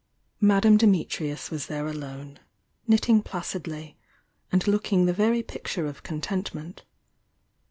Madame Dimit rius was there alone, knitting placidly, and looking the very picture of contentment.